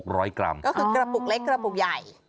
ก็คือกระปุกเล็กกระปุกใหญ่